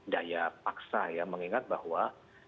daya paksa mengingat bahwa